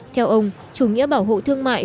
theo ông chủ nghĩa bảo hộ thương mại